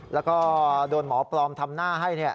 แล้วก็โดนหมอปลอมทำหน้าให้